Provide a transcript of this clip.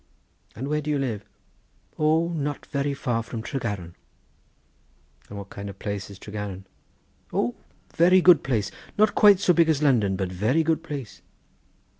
"And where do you live?" "O, not very far from Tregaron." "And what kind of place is Tregaron?" "O, very good place; not quite so big as London, but very good place."